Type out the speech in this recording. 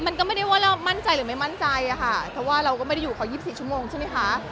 มันก็ไม่ได้ว่าเรามั่นใจหรือไม่มั่นใจอะค่ะเพราะว่าเราก็ไม่ได้อยู่เขา๒๔ชั่วโมงใช่ไหมคะ